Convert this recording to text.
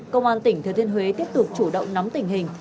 công an tỉnh thừa thiên huế tiếp tục chủ động nắm tình hình